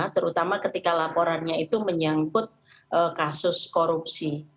terutama ketika laporannya itu menyangkut kasus korupsi